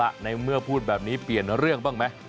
ในเมื่อพูดแบบนี้เปลี่ยนเรื่องบ้างไหม